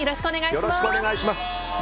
よろしくお願いします。